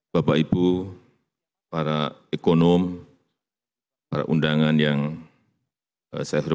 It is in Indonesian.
bapak ibu para ekonom para undangan yang saya terima